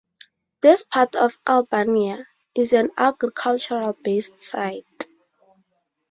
This part of Albania is an agricultural-based site.